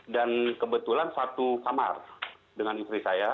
dan kebetulan satu kamar dengan istri saya